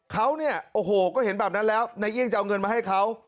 เขาเนี่ยโอ้โหก็เห็นแบบนั้นแล้วนายเอี่ยงจะเอาเงินมาให้เขา